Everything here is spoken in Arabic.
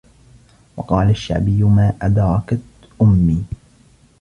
وَقَالَ الشَّعْبِيُّ مَا أَدْرَكْت أُمِّي